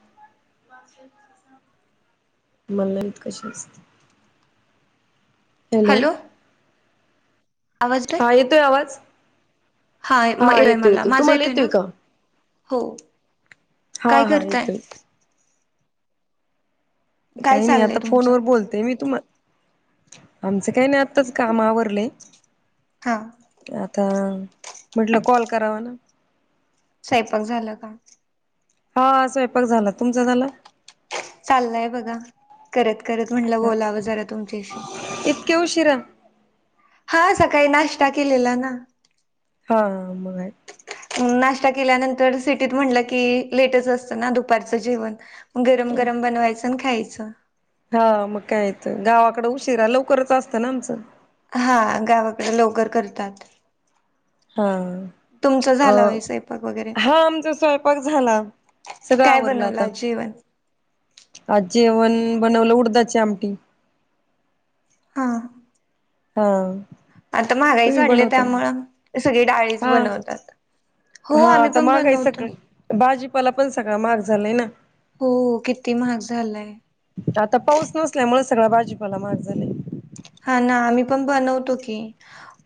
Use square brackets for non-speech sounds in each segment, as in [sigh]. हम्म मलाला इत कशी असते हॅलो हा येतोय आवाज? हा मरय मला माझा येतोय ना हो हा काय हा करताय येतोय काय काही नाही चाललंय आता तुमचं फोनवर बोलते मी तुम्हा आ काही नाही आताच काम आवरले हा आ म्हटलं आता कॉल करा म्ह स्वयंपाक झालं का? हा स्वयंपाक झाला तुमचा झाला? चाललंय बघा करत करत म्हंलं हा बोलावं जरा तुमच्याशी इतक्या उशिरा हा सकाळी नाश्ता केलेला ना हा मग आहे. नाश्ता केल्यानंतर सिटीत म्हटलं की लेटच असतं ना दुपारचं जेवण गरम गरम बनवायचं आणि खायचं हा मग काय येत गावाकडे उशिरा लवकरच असतं ना आमचं हा गावाकडे लवकर करतात हा तुमचं अ झाला होय स्वयंपाक वगैरे हा आमचा स्वयंपाक झाला सगळं काय आवरलं बनवलं आता आज जेवण आज जेवण बनवलं उडदाची आमटी हा हा आता महागाईच तुम्ही वाढली बनवता त्यामुं सगळी डाळीच हा बनवतात. हो हा आम्ही आता पण महागाई आहे बनवतो सगळ भाजीपाला पण सगळां मग झालाय ना. हो किती महाग झालाय आता पाऊस नसल्या मु सगळ्या भाजीपाला महाग झाले. हा ना आम्ही पण बनवतो की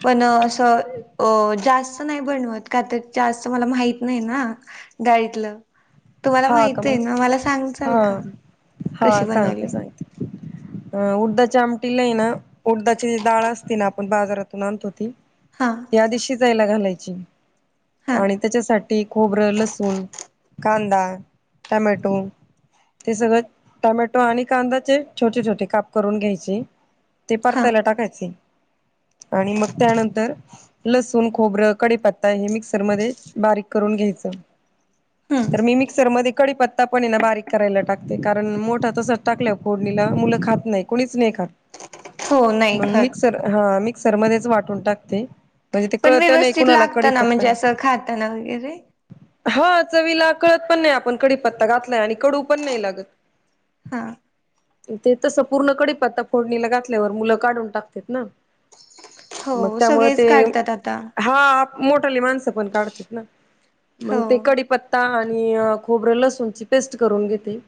पण असं जास्त नाही बनव का तर जास्त मला माहत नाही ना डाळीतलं तुम्हाला हा का माहित आहे मग ना मला सांग हा ल का कशी बनवली? अं उडदाच्या आमटीला आहे ना उडदााची डाळ असते ना आपण बाजारातून आणतो ती हा त्या आधी शिजायला घालायची हा आणि त्याच्यासाठी खोबरं लसूण कांदा टमॅटो ते सगळं टमॅटो आणि कांदाचे छोटे छोटे काप करून घ्यायचे ते हा परतायला टाकायचे आणि मग त्यानंतर लसूण खोबरं कडीपत्ता हे मिक्सर मध्ये बारीक करून घ्यायचं हम्म तर मी मिक्स र मध्ये कडी पत्ता पन बारीक करायला टाकते कारण मोठा तसच टाकलंना मुल खात नाहीत मीच नाही खात हो नाही मग खत मिक्सर हा मिक्सर मध्येच वाटुन टाकते म्हणजे ते पण कळत नाही व्यवस्थित कुणाला कडी लागताना पत्ता म्हणजे असं आहे खाताना वगैरे हा चवीला कळत पण नाही आपण कडीपत्ता घातलाय आणि कडू पण नाही लागत हा ते तसं पूर्ण कडी प आता फोडणीला घातल्यावर मुलं काढून टाकत ना मग हो त्यामुळ सगळेच ते काढतात आता हा मोठली माणसं पण काढतात ना हो मग ते कडीपत्ता - - खोबर लसूणची पेस्ट करून घेते.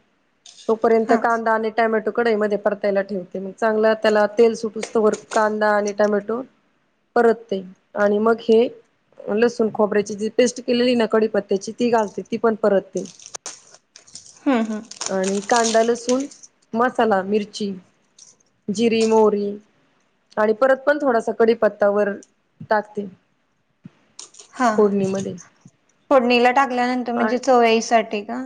तोपर्यंत हा कांदा आणि टेमॅटो - - कडाई मध्ये परतायला ठेवते. मग चांगलं त्याला तेल सुटूसतोवर कांदा आणि टमॅटो परतते आणि मग हे लसूण खोबऱ्याची जी पेस्ट केलेली ना कडीपत्त्याची ती घालते. ती पण परतते. हम्, हम. आणि कांदा, लसूण, मसाला, मिरची, जिरी, मोहरी आणि परत पण थोडासा कडीपत्तावरण टाकते. हा फोडणीमध्ये फोडणीला टाकल्यानंतर म्हणजे चवयाय साठी का?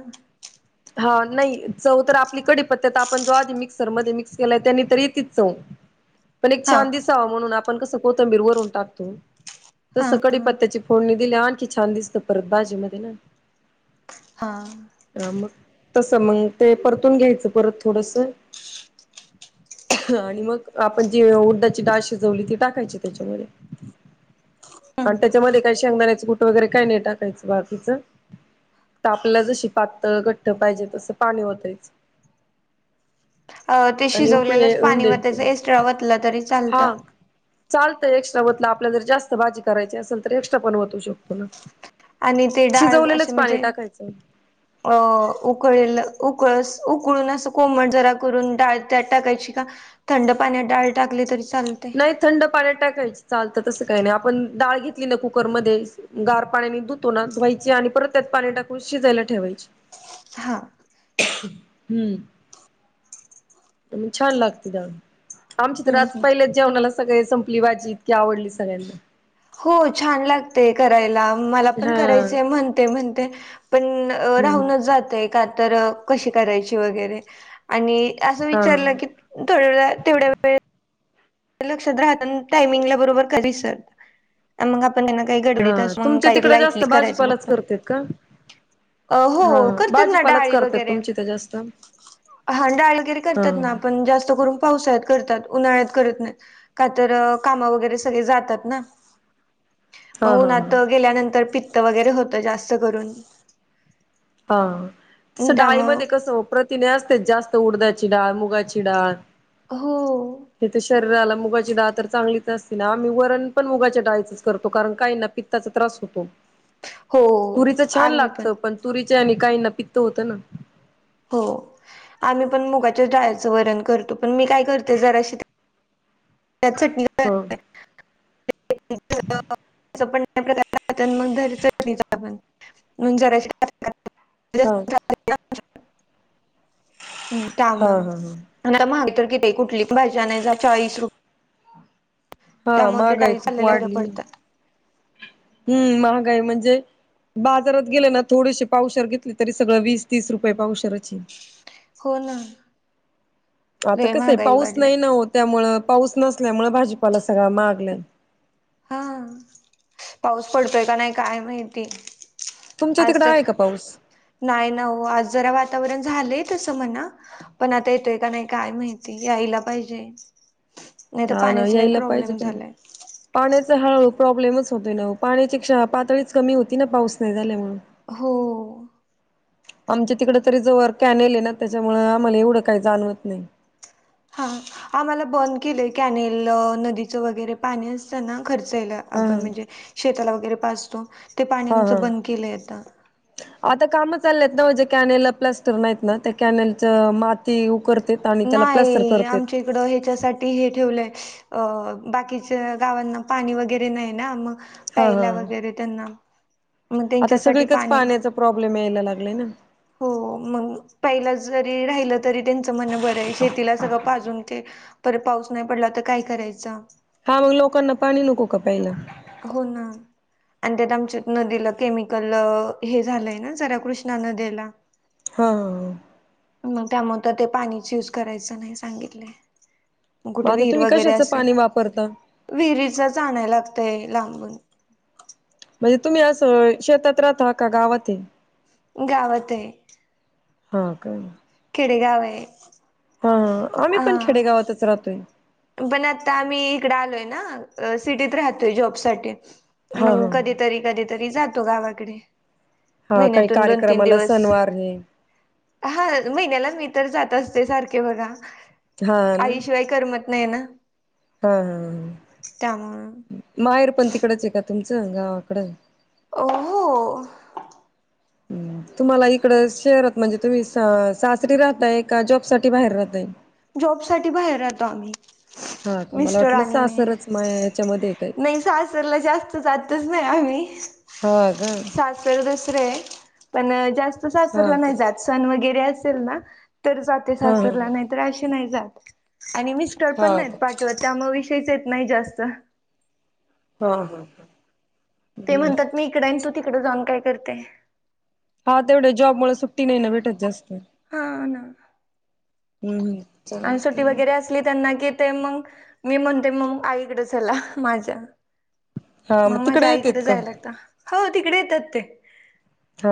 हा, नाही चव तर आपली कडीपत्यात आपण जो आधी मिक्सरमध्ये मिक्स केलाय त्यानी तर येतेच चव. ह पण एक हा छान दिसावा म्हणून आपण कसं कोथंबीर वरून टाकतो हा तस हा कडीपत्त्याची - - फोडणी दिल्याव आणखी छान दिसत परत बाजी मध्ये ना. हा. तस मंग ते परतून घ्यायचं परत थोडस. आणि मग आपण जी उडदाची डाळ शिजवली ती टाकायची त्याच्यामुध्ये. आणि त्याच्यामध्ये काही शेंगदाण्याचं कुठ वगैरे काय नाही टाकायचं बाकीच. त आपल्या जशी पातळ घट्ठ पाहिजे तसं पाणी येतायचं. अ ते शिजवलेलंच पाणी द्यायची. वतायचं एस्ट्रा वतलं तरी चालतं? चालतं. एक्स्ट्रा वतल आपल्या जर जास्त भाजी करायची असेल तर एक्स्ट्रा पण वतू शकतो ना. आणि ते डाळ असे शिजवलेलंच पाणी म्हणजे टाकायचं. अ उकळल - - उकळस उकळून असं कोमट जरा करून डाळ त्यात टाकायची का थंड पाण्यात डाळ टाकली तरी? चालते नाही. थंड पाण्यात टाकायच चालतं तसं काही नाही. आपण - - डाळ घेतली ना कुकरमध्ये गार पाण्याने धुतो ना धुवायची आणि परत त्यात पाणी टाकून शिजायला ठेवायची. रीकाम आहे हा. हम्म. म छान लागते डाळ आमची तर हम्म आज हम्म पहिलेच जेवणाला सगळे संपली भाजी इतकी आवडली सगळ्यांना. हो. छान लागतेय करायला मला पण हा करायचंय म्हणते म्हणते पण - - हम्म राहूनच जातय का तर कशी करायची वगैरे आणि - - असं हा विचारलं की थोड व तेवढ्या वेळ - - लक्षात राह टाइमिंग बरोबर क सर मग आ - - पण हाय ना काही घडबडीत हा असुन तुमच्या काही तिकडे लाईटली जास्त करायचं भाजीपालाच फक्त. करतेत का? अ हा हो करतात ना भाजीपालाच डाळी करतात वगैरे. तुमची तर जास्त हा हां. डाळ वगैरे करतात ना. पण जास्त करून पावसाळ्यात करतात. उन्हाळ्यात करत नाही. का तर, कामा वगैरे सगळे जातात ना. म हा हा उन्हात हा. गेल्यानंतर पित्त वगैरे होत जास्त करून हा. तस त्यामुळं डाळीमध्ये कस प्रतिने असते. जास्त - - उडदाचि डाळ, मुगाची डाळ- - हो. शरीराला मुगाची डाळ तर चांगलीच असती ना. आम्ही वरण पण मुगाच्या डाळीच करतो. कारण काही ना पित्ताचा त्रास होतो. हो तुरीच छान आम्ही लागत पण तुरीच आणि काहींना पित्त होतं ना. हो. आम्ही पण मुगाच्या डाळ्याचं वरण करतो. पण मी काय करते. जराशी - - त्यात हा [unintelligible] पण [unintelligible] ग च आपण जरा [unintelligible] म्हणुन जराशी - - हा [inaudible] म हा त्यामुळं हा हा आता महाग किती, कुठली पण भाजी आणाय जा चाळीस रुप हा, ते महागाई डाळी खूप चाललेल्या बऱ्या वाढली आहे. पडतात. हम महागाई म्हणजे बाजारात गेले ना थोडीशी पावशेर घेतली, तरी सगळं वीस तीस रुपये पावशेर हाय. हो ना आता लय कसं आहे, महागाई पाऊस वाढल्या नाही ना ओ, त्यामुळं पाऊस नसल्यामुळे भाजीपाला सगळा महागलाय. हा, पाऊस पडतोय का नाही काय माहिती? तुमच्या आज तिकडं तर आहे का पाऊस? नाही ना हो, आज जरा वातावरण झालंय तसं म्हणा पण आता येतोय का नाही काय माहिती? यायला पाहिजे. नाही तर हा ना, पाण्याचा लय यायला पाहिजे प्रॉब्लेम पण झालाय पाण्याच हळूहळू प्रॉब्लेमच होतयं ना, पाण्याची क्ष- पातळीच कमी होती ना पाऊस नाही झाल्या मुळे. हो. आमच्या तिकडं तरी जवळ कॅन यायले ना, त्याच्यामुळं आम्हाला एवढं काही जाणवत नाही. हा, आम्हाला बंद केलंय कॅनेल नदीचं वगैरे पाणी असतं ना. खर्चायला हा आपण म्हणजे, शेताला वगैरे पाजतो. ते पाणी हा आमचं हा बंद केलं आता. आता काम चालले आहेत ना, म्हणजे कॅनेल प्लास्टर नाहीत ना त्या कॅनेलच माती उकरत नाही आमच्या इकडं ह्याच्यासाठी हे ठेवलंय अ बाकीच्या गावांना पाणी वगैरे नाही ना, मग हा हा प्यायला वगैरे त्यांना. मग आता त्यांच्यासाठी सगळीकच पाणी पाण्याचा प्रॉब्लेम यायला लागलाय ना. हो, मग पहिला जरी राहिलं तरी तेंच बरयं आहे शेतीला सगळं पाजून परत पाऊस नाही पडला, तर काय करायचं? हा, मग लोकांना पाणी नको का प्यायला? हो, ना. आणि त्यात आमच्या नदीला केमिकल, हे झालंय ना जऱ कृष्णा नदिला. हा. त्यामुळे तर ते पाणीच युज करायचं नाही सांगितले. मग कुठे आता विहीर तुम्ही वगैरे कशाचं असेल, पाणी वापरता? विहिरीचाच आणायला लागत. तय लांबून. म्हणजे तुम्ही असं शेतात राहता, का गावात ये? गावात आहे. हा का. खेडे गाव आहे. हा आम्ही पण हा खेडेगावातच राहतोय. पण आता आम्ही इकड आलोय ना, सिटीत राहतोय जॉब साठी. हा मग हा कधीतरी, कधीतरी जातो गावाकडे. हा काही महिन्यातून दोन-तीन कार्यक्रमाला दिवस, सणवार हे हा महिन्याला मी. तर जात असते सारखे बघा, हा ना आईशिवाय करमत नाही ना तर हा हा माहेरपंथीकडेच आहे का, तुमचं गावाकडं? ओ, हो. हम्म. तुम्हाला इकड शहरात म्हणजे तुम्ही, सासरी राहताय, का जॉब साठी बाहेर राहताय. जॉब साठी बाहेर राहतो आम्ही, हा का मला मिस्टर वाटलं आणि मी. सासरच माया याच्यामध्ये आहे काही नाही सासरला जास्त जातच नाही आम्ही हा का सासर पण जास्त सासरला हा का नाही जात, सण वगैरे असेल ना तर जाते हा हा सासरला, नाही तर अशी नाही जात. आणि मिस्टर पण हा नाहीत का पाठवत, त्यामुळे विषयीच येत नाही जास्त. हा हा हा. ते म्हणतात, मी इकडे आणि तू तिकडं जाऊन काय करते? हा, तेवढे जॉब मुळ सुट्टी नाही ना भेटत जास्त? हा, ना. ह ह. आणि सुट्टी वगैरे असली, त्यांना की ते मग मी म्हणते, मग आईकडं चला माझ्या. हा मग माझ्या तिकडे येतेत आईकडे का? जाय लागत, हो तिकडे येतात ते. हा,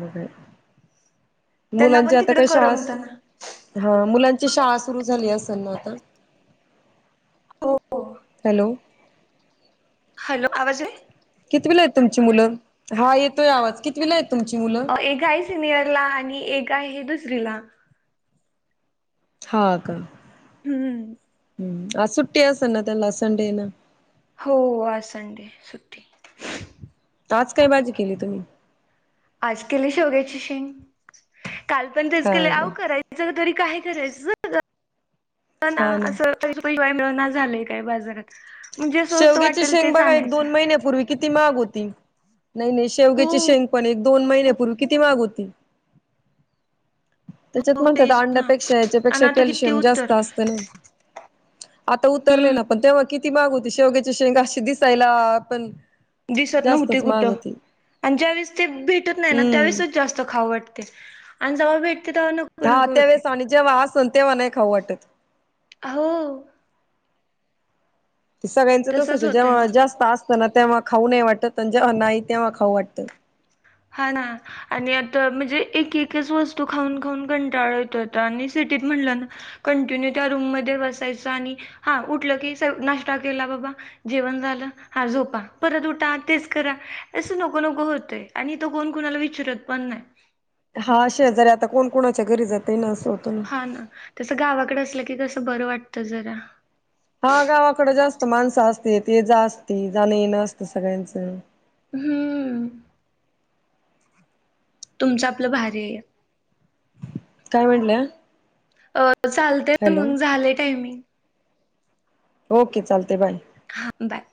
मग हाय. त्यांना मुलांचे पण आता तिकडे काय शाळा करमत ना. हा मुलां शाळा सुरू झाली असेल ना, आता? हो हो हॅलो! हॅलो! आवाज येतोय कितवीला आहेत तुमची मुलं हा येतोय आवाज कितवीला आहेत? तुमची मुलं? अ एक आहे सिनियरला आणि एक आहे दुसरीला. हा, का? हम. हम आज सुट्या असेल ना, त्यांना आज संडे हाय ना? हो, आज संडे आहे सुट्टी. आज काय भाजी केली तुम्ही? आज केली शेवग्याची शेंग काल, पण तेच केले हा आव का. करायच तरी काय? करायच ना, असं [unintelligible] मिळना झालंय काय बाजारात. म्हणजे स्वस्त शेवग्याचे वाटेल शेंग तेच बघा, एक आणायचं दोन महिन्यापूर्वी किती किती महाग होतो, नाही नाही हो शेवग्याची शेंग पण एक दोन महिन्यापूर्वी किती माग होती. त्याच्यात हो म्हणतात, तेच ना अंड्यापेक्षा आणि याच्यापेक्षा आता किती कॅल्शियम जास्त उतरले असत ना. आता उतरले ना, हम्म पण तेव्हा किती महाग होते, शेवग्याची शेंग अशी दिसायला पण दिसत नव्हते जास्तच महाग कुठं? होती आणि ज्यावेेळेस ते भेटत नाही ना, हम्म त्यावेळेसचं जास्त खाऊ वाटते, आणि जव्हा भेट हा त्यावेळेस, आणि जेव्हा असेल तेव्हा नाही खाऊ वाटतं. हो. ते सगळ्यांच तसचं तसच ये होतय जेव्हा ना जास्त असं तेव्हा खाऊ नाही वाटत, आणि जेव्हा नाही तेव्हा खाऊ वाटतयं. हा ना, आणि आता म्हणजे एक एकच वस्तू खाऊन खाऊन कंटाळ येतोय आता आणि सिट सिटीत म्हणालं ना की, कॉन्टिन्यू त्या रूम मध्ये बसायचं आणि हा उठलं की नाश्ता केला बाबा जेवण झालं, हा झोपा परत उठा तेच करा असं नको नको होतयं. आणि इथं कोण कोणाला विचारत पण नाही. हा, शेजारी आता कोण कोणाच्या घरी जातयं ना. हा, ना तसं गावाकडे असलं की कसं बरं वाटत जरा. हा, गावाकडे जास्त माणसं असते ये जा असते, जाणं येणं असतं सगळ्यांकडं. हम. तुमचं आपलं भारी आहे. काय म्हणलं? अ चालतेय मग झालयं, टायमिंग. ओके! चालतयं बाय. हा, बाय.